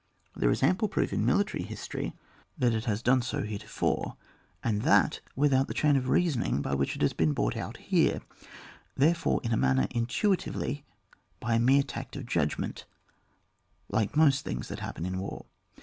There is ample proof, in military histoiy, that it haa OHA^* IX.] DEFENSIVE BATTLE. 05 done 80 heretofore, and that without the chain of reasoning by which it has been brought out here ; therefore in a manner intuitively by mere tact of judgment^ like most things that happen in war.